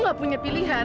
kamu gak punya pilihan